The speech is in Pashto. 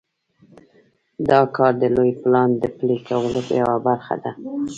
دا کار د لوی پلان د پلي کولو یوه برخه ده.